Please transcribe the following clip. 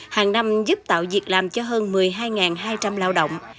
hàng năm giúp tạo việc làm cho hơn một mươi hai hai trăm linh lao động